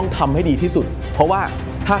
จ้าวรอคอย